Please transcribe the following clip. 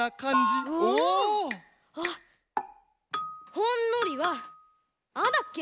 ほんのりはああだっけ？